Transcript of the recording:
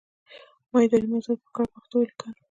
ما اداري موضوعات په کره پښتو ولیکل.